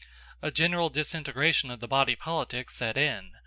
A general disintegration of the body politic set in.